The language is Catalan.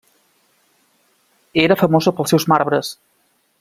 Era famosa pels seus marbres.